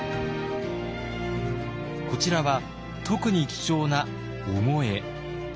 こちらは特に貴重な御後絵。